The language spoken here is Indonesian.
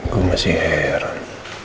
gue masih heran